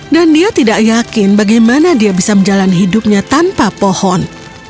dan dia tidak yakin bagaimana dia bisa menjalani hidupnya tanpa pohon